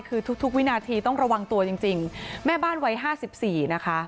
ทุกวินาทีต้องระวังตัวจริงแม่บ้านวัย๕๔